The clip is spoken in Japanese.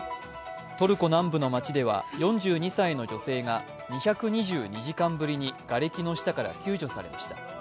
トルコ南部の街では４２歳の女性が２２２時間ぶりにがれきの下から救助されました。